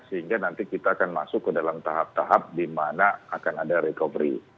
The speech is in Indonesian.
sehingga nanti kita akan masuk ke dalam tahap tahap di mana akan ada recovery